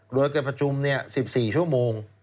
โดยการประชุม๑๔ชั่วโมง